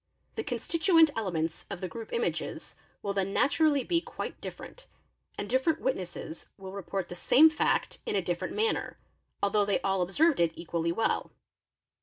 The constituent elements of the group lmages will then naturally be quite different, and different witnesses will report the same fact in a ' different manner, although they all observed it equally well.